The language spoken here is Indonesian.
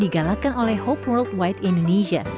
dan juga diperlukan oleh hope worldwide indonesia